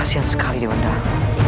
kasian sekali dewan daru